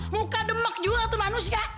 muka demak juga tuh manusia